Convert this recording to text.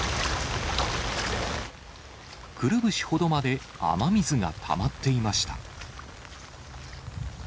くるぶしほどまで雨水がたまっていました。